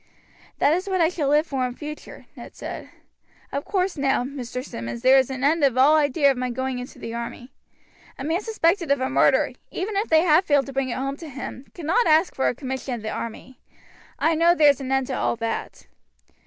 "That is what I shall live for in future," Ned said. "Of course now, Mr. Simmonds, there is an end of all idea of my going into the army. A man suspected of a murder, even if they have failed to bring it home to him, cannot ask for a commission in the army. I know there's an end to all that."